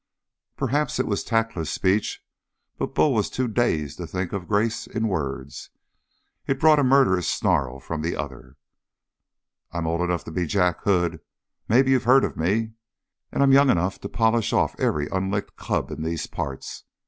Perhaps it was a tactless speech, but Bull was too dazed to think of grace in words. It brought a murderous snarl from the other. "I'm old enough to be Jack Hood maybe you've heard of me? And I'm young enough to polish off every unlicked cub in these parts.